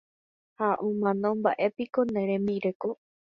Ha omanómba'epiko ne rembireko.